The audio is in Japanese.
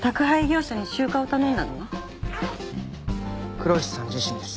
黒石さん自身です。